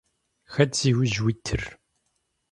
Хэт зиужь уитыр?